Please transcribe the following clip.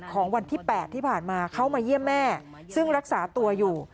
ของวันที่๘ที่ผ่านมาเขามาเยี่ยมแม่ซึ่งรักษาตัวอยู่